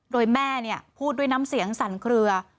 โดยแม่พูดด้วยน้ำเสียงสั่นเคลือ